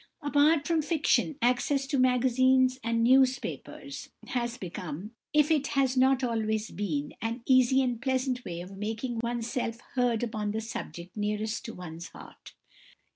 Apart from fiction, access to magazines and newspapers has become, if it has not always been, an easy and pleasant way of making oneself heard upon the subject nearest to one's heart.